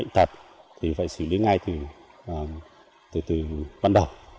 năm hai nghìn hai mươi một là lần đầu tiên